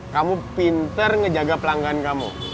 kamu pinter ngejaga pelanggan kamu